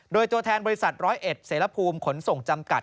โดยตัวแทนบริษัท๑๐๑เซลภูมิขนสงฆ์จำกัด